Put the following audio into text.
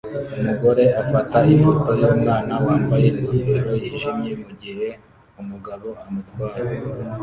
Umugore afata ifoto yumwana wambaye ingofero yijimye mugihe umugabo amutwaye